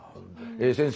先生